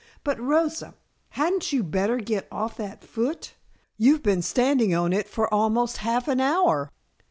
But Rosa, hadn't you better get off that foot? You've been standing on it for almost half an hour."